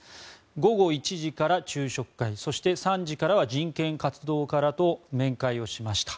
午後１時から昼食会そして３時からは人権活動家らと面会をしました。